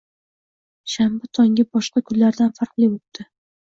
Shanba tongi boshqa kunlardan farqli o`tdi